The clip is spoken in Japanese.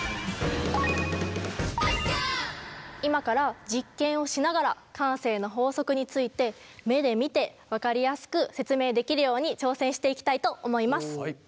今から実験をしながら慣性の法則について目で見て分かりやすく説明できるように挑戦していきたいと思います。